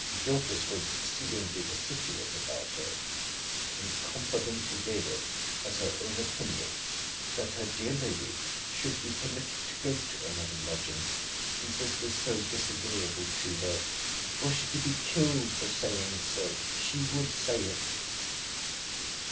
Dorcas was exceedingly assiduous about her; and confidently gave it as her own opinion, that her dear lady should be permitted to go to another lodging, since this was so disagreeable to her: were she to be killed for saying so, she would say it.